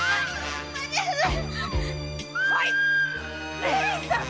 義姉さん